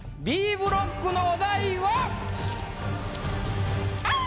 Ｂブロックのお題は。ああ！